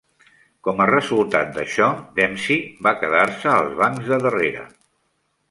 Com a resultat d'això, Dempsey va quedar-se als bancs de darrere.